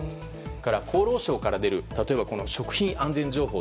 厚労省から出る食品安全情報。